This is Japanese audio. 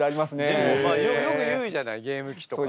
でもまあよく言うじゃないゲーム機とかさ。